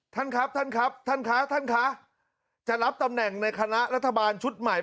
ท่านครับท่านครับท่านคะท่านคะจะรับตำแหน่งในคณะรัฐบาลชุดใหม่